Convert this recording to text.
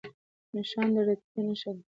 نښان د رتبې نښه ده